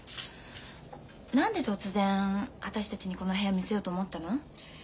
何で突然私たちにこの部屋見せようと思ったの？